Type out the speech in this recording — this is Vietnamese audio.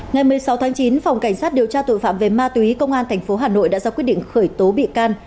ngày một mươi sáu tháng chín phòng cảnh sát điều tra tội phạm về ma túy công an tp hà nội đã ra quyết định khởi tố bị can